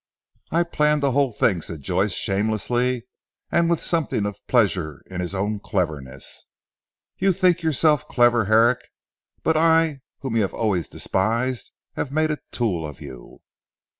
"I planned the whole thing," said Joyce shamelessly and with something of pleasure in his own cleverness. "You think yourself clever Herrick, but I, whom you have always despised, have made a tool of you."